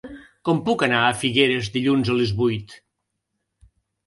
Com puc anar a Figueres dilluns a les vuit?